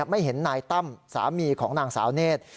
ไม่เห็นนายตั้มสามีของนางสาวเนธ